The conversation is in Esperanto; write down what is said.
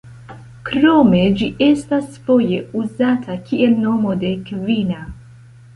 Krome ĝi estas foje uzata kiel nomo de kvina.